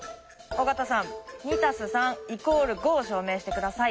尾形さん「２＋３＝５」を証明して下さい。